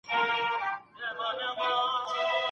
هغه وویل چي په ګڼ ډګر کي مړ سړی او ږیره نه ښکاري.